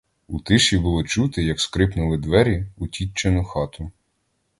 У тиші було чути, як скрипнули двері у тітчину хату.